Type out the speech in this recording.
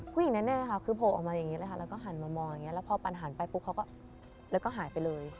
แน่ค่ะคือโผล่ออกมาอย่างนี้เลยค่ะแล้วก็หันมามองอย่างนี้แล้วพอปันหันไปปุ๊บเขาก็หายไปเลย